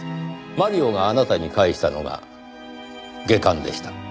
マリオがあなたに返したのが下巻でした。